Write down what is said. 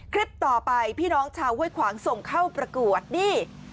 คลิปต่อไปพี่น้องชาวห้วยขวางส่งเข้าประกวดนี่